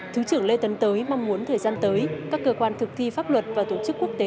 thứ trưởng lê tấn tới mong muốn thời gian tới các cơ quan thực thi pháp luật và tổ chức quốc tế